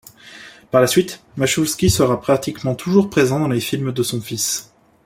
Par la suite, Machulski sera pratiquement toujours présent dans les films de son fils.